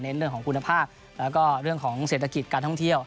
เรื่องของคุณภาพแล้วก็เรื่องของเศรษฐกิจการท่องเที่ยว